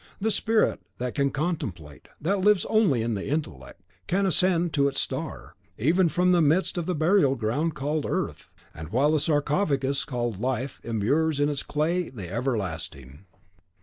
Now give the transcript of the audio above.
The spirit that can contemplate, that lives only in the intellect, can ascend to its star, even from the midst of the burial ground called Earth, and while the sarcophagus called Life immures in its clay the everlasting!